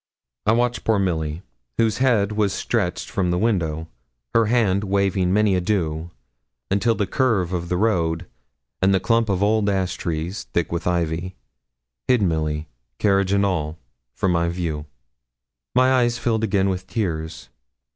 I watched poor Milly, whose head was stretched from the window, her hand waving many adieux, until the curve of the road, and the clump of old ash trees, thick with ivy, hid Milly, carriage and all, from view. My eyes filled again with tears.